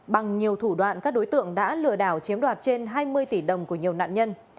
bằng nhiều thủ đoạn các đối tượng đã lừa đảo chiếm đoạt trên hai mươi tỷ đồng của nhiều nạn nhân